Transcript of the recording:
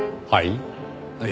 はい？